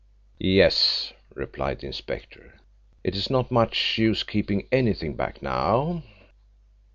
"Yes," replied the inspector, "it's not much use keeping anything back now."